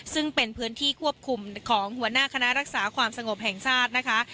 ซึ่งเป็นพื้นที่ควบคุมของหัวหน้าคณะรักษาความสงบแห่งชาตินะคะ